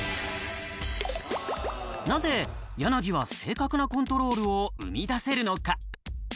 なぜ柳は正確なコントロールを生み出せるのか。